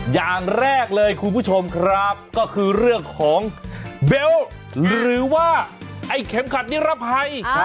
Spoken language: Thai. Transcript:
อย่างแรกเลยคุณผู้ชมครับก็คือเรื่องของเบลต์หรือว่าไอ้เข็มขัดนิรภัย